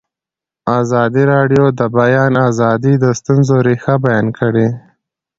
ازادي راډیو د د بیان آزادي د ستونزو رېښه بیان کړې.